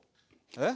えっ！？